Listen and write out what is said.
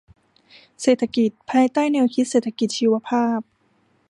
เศรษฐกิจภายใต้แนวคิดเศรษฐกิจชีวภาพ